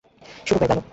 শুরু হয়ে গেল।